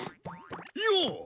よう！